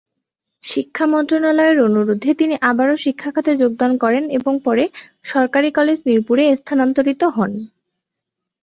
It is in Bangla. শিক্ষা মন্ত্রণালয়ের অনুরোধে তিনি আবারও শিক্ষা খাতে যোগদান করেন এবং পরে সরকারী কলেজ মিরপুরে স্থানান্তরিত হন।